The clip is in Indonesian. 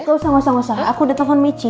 nggak usah nggak usah aku udah telpon michi